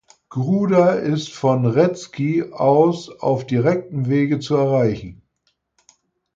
Gruda ist von Reszki aus auf direktem Wege zu erreichen.